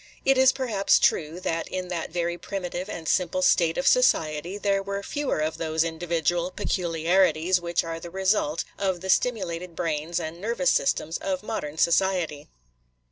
It is perhaps true, that in that very primitive and simple state of society there were fewer of those individual peculiarities which are the result of the stimulated brains and nervous systems of modern society.